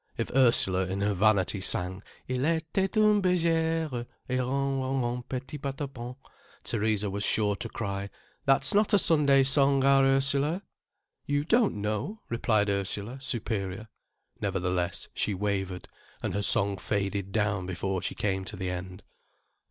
If Ursula in her vanity sang: "Il était un' bergère Et ron ron ron petit patapon," Theresa was sure to cry: "That's not a Sunday song, our Ursula." "You don't know," replied Ursula, superior. Nevertheless, she wavered. And her song faded down before she came to the end.